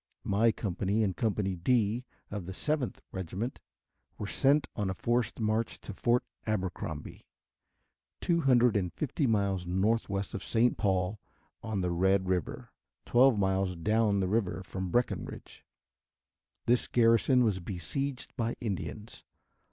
My company and Company D of the 7th Regiment were sent on a forced march to Fort Abercrombie, two hundred and fifty miles northwest of St. Paul on the Red River, twelve miles down the river from Breckenridge. This garrison was besieged by Indians.